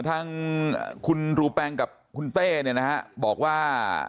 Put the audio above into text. ทั้งคุณรูแปงกับคุณเต้บอกว่า